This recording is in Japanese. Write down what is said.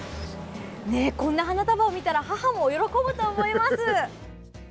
こんな花束を見たら母も喜ぶと思います。